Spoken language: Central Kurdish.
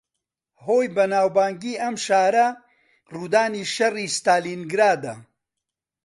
ھۆی بەناوبانگی ئەم شارە، ڕوودانی شەڕی ستالینگرادە